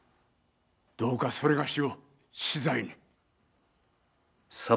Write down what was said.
どうかそれがしを死罪に。